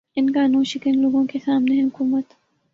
ان قانوں شکن لوگوں کے سامنے حکومت